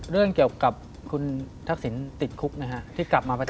เรื่องเกี่ยวกับคุณทักศิลป์ติดคุกที่กลับมาประเทศไทย